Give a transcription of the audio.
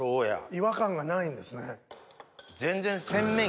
違和感がないんですね。